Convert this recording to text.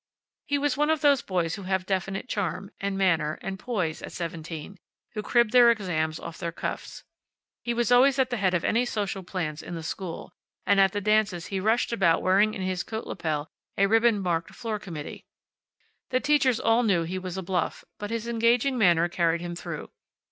He was one of those boys who have definite charm, and manner, and poise at seventeen, and who crib their exams off their cuffs. He was always at the head of any social plans in the school, and at the dances he rushed about wearing in his coat lapel a ribbon marked Floor Committee. The teachers all knew he was a bluff, but his engaging manner carried him through.